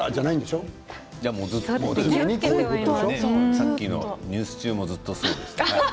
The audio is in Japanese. さっきのニュース中もずっとそうでした。